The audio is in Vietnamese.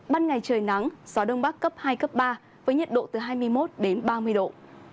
ban ngày trời nắng gió đông bắc cấp hai cấp ba với nhiệt độ từ hai mươi một đến ba mươi độ